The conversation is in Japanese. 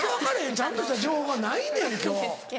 ちゃんとした情報がないねん今日。